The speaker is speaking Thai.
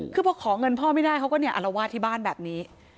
คือพอขอเงินพ่อไม่ได้เขาก็เนี่ยอารวาสที่บ้านแบบนี้